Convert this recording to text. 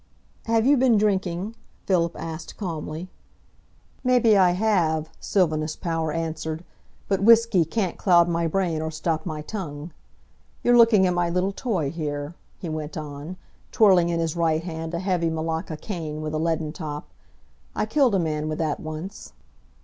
"Have you been drinking?" Philip asked calmly. "Maybe I have," Sylvanus Power answered, "but whisky can't cloud my brain or stop my tongue. You're looking at my little toy here," he went on, twirling in his right hand a heavy malacca cane with a leaden top. "I killed a man with that once."